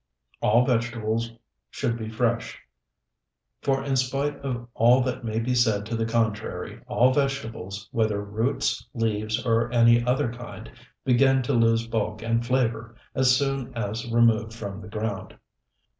All vegetables should be fresh; for in spite of all that may be said to the contrary, all vegetables, whether roots, leaves, or any other kind, begin to lose bulk and flavor as soon, as removed from the ground.